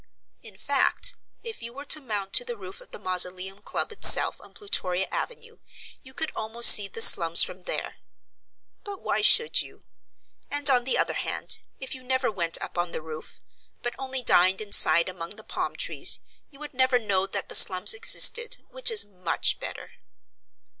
In fact, if you were to mount to the roof of the Mausoleum Club itself on Plutoria Avenue you could almost see the slums from there. But why should you? And on the other hand, if you never went up on the roof, but only dined inside among the palm trees, you would never know that the slums existed which is much better.